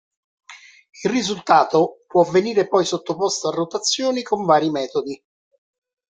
Il risultato può venire poi sottoposto a rotazione con vari metodi.